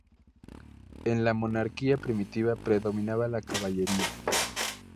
En la monarquía primitiva predominaba la caballería.